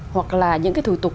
hoặc là những cái thủ tục